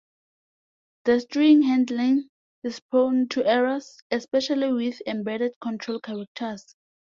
The string handling is prone to errors, especially with embedded control characters.